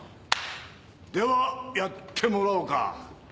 ではやってもらおうか。